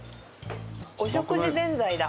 滝沢：お食事ぜんざいだ。